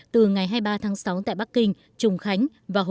từ ngày hai mươi ba tháng sáu tại bắc kinh